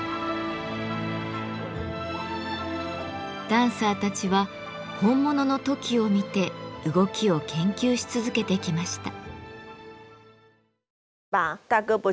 ダンサーたちは本物のトキを見て動きを研究し続けてきました。